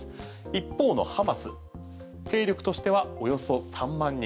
一方のハマス兵力としてはおよそ３万人。